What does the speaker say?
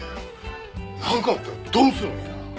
なんかあったらどうするんや！